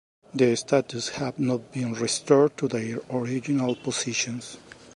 The statues have not been restored to their original positions.